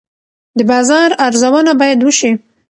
د بازار ارزونه باید وشي.